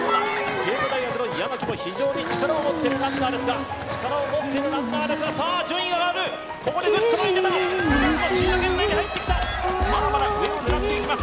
帝都大学の山木も非常に力を持ってるランナーですが力を持ってるランナーですがさあ順位が上がるここでグッと前に出た悲願のシード権内に入ってきたまだまだ上を狙っていきます